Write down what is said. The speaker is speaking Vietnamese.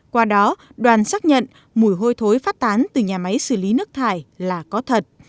qua đó đoàn xác nhận mùi hôi thối phát tán từ nhà máy xử lý nước thải là có thật